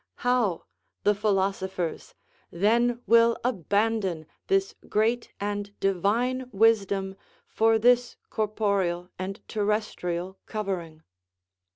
How! the philosophers, then will abandon this great and divine wisdom for this corporeal and terrestrial covering?